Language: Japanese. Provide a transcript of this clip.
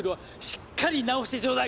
しっかり治してちょうだい。